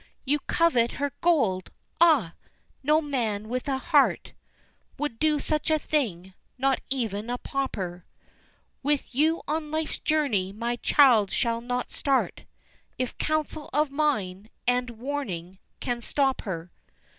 "You covet her gold! Ah! no man with a heart Would do such a thing not even a pauper With you on life's journey my child shall not start If counsel of mine, and warning, can stop her."